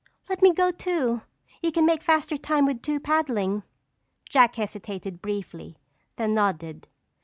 "Let me go too! You can make faster time with two paddling." Jack hesitated briefly, then nodded.